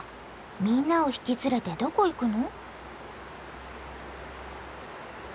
みんなを引き連れてどこ行くの？